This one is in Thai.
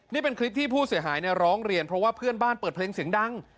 นี่เป็นคลิปที่ผู้เสียหายร้องเรียนเพราะว่าเพื่อนบ้านเปิดเพลงเสียงดัง